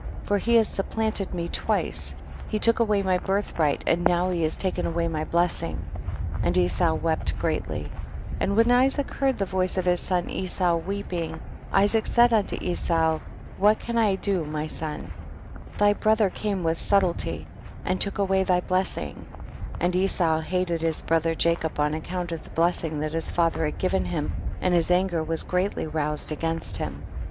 for he has supplanted me twice, he took away my birth right and now he has taken away my blessing ; and Esau wept greatly ; and when Isaac heard the voice of his son Esau weeping, Isaac said unto Esau, what can I do my son, thy brother came with subtlety and took away thy blessing ; and Esau hated his brother Jacob on ac count of the blessing that liis father had given him, and his anger was greatly roused asi:ainst him.